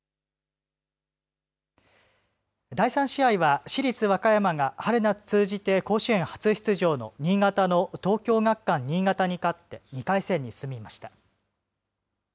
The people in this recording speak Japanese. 第３試合は市立和歌山が春夏通じて甲子園初出場の新潟の東京学館新潟に勝って２回戦に進みました。